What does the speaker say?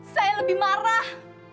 saya lebih marah